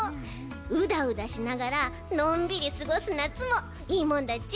ウダウダしながらのんびりすごすなつもいいもんだち。